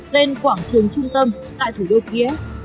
tên quảng trường trung tâm tại thủ đô kiev